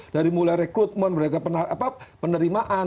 dari mulai rekrutmen beragam penerimaan